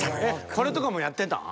これとかもやってたん？